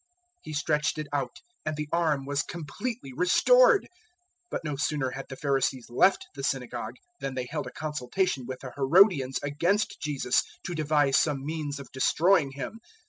He stretched it out, and the arm was completely restored. 003:006 But no sooner had the Pharisees left the synagogue than they held a consultation with the Herodians against Jesus, to devise some means of destroying Him.